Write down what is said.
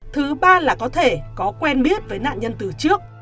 thứ ba là có thể có quen biết với nạn nhân từ trước